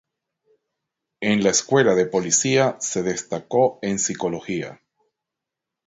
En la Escuela de Policía se destacó en psicología.